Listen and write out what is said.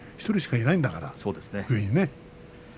１人しかいないんだから、上にね。